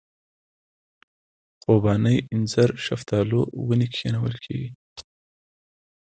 خوبانۍ اینځر شفتالو ونې کښېنول کېږي.